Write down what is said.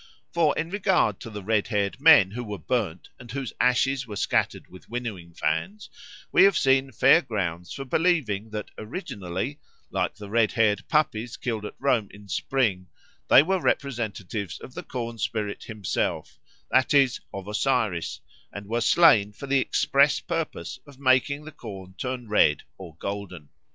For in regard to the red haired men who were burned and whose ashes were scattered with winnowing fans, we have seen fair grounds for believing that originally, like the red haired puppies killed at Rome in spring, they were representatives of the corn spirit himself that is, of Osiris, and were slain for the express purpose of making the corn turn red or golden.